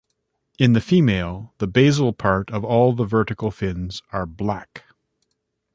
In the female, the basal part of all the vertical fins are black.